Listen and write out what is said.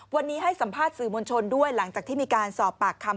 วันนี้ให้สัมภาษณ์สื่อมวลชนด้วยหลังจากที่มีการสอบปากคำ